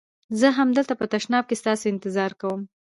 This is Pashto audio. زه همدلته په تشناب کې ستاسي انتظار کوم.